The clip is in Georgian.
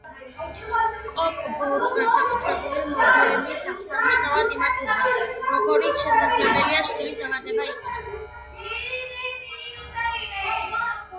კოკ ბორუ განსაკუთრებული მოვლენის აღსანიშნავად იმართება, როგორიც შესაძლებელია შვილის დაბადება იყოს.